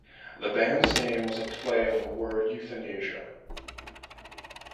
The band's name was a play on the word euthanasia.